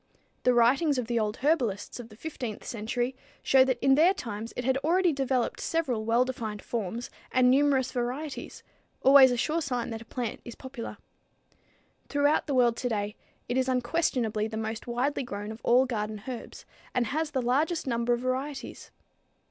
The writings of the old herbalists of the 15th century show that in their times it had already developed several well defined forms and numerous varieties, always a sure sign that a plant is popular. Throughout the world today it is unquestionably the most widely grown of all garden herbs, and has the largest number of varieties.